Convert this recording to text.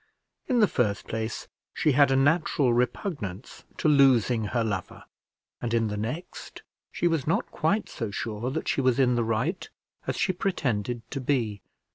In the first place, she had a natural repugnance to losing her lover; and in the next, she was not quite so sure that she was in the right as she pretended to be.